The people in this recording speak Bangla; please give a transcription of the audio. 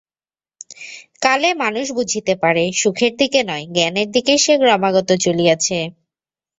কালে মানুষ বুঝিতে পারে, সুখের দিকে নয়, জ্ঞানের দিকেই সে ক্রমাগত চলিয়াছে।